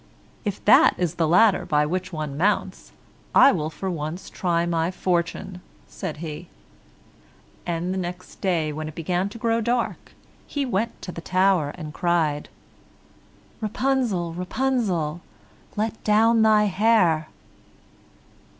"If that is the ladder by which one mounts, I will for once try my fortune," said he, and the next day, when it began to grow dark, he went to the tower and cried. "Rapunzel, Rapunzel, Let down your hair."